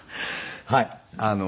はい。